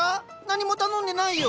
何も頼んでないよ。